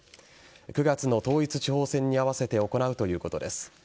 ９月の統一地方選に合わせて行うということです。